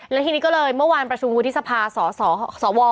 แล้วทีนี้ก็เลยเมื่อวานประชุมวุฒิสภาสว